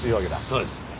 そうですね。